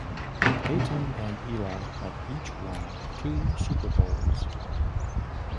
Peyton and Eli have each won two Super Bowls.